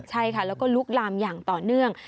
ใช่ค่ะแล้วก็ลุกลามอย่างต่อเนื่อง